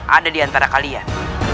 ada diantara kalian